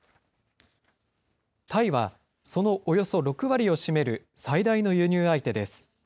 タイはそのおよそ６割を占める最大の輸入相手です。